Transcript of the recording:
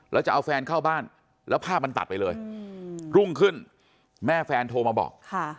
แล้วจะเอาแฟนเข้าบ้านแล้วภาพมันตัดไปเลยรุ่งขึ้นแม่แฟนโทรมาบอก